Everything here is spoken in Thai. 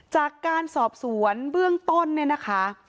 จากการสอบสวนเบื้องต้นเนี่ยนะคะ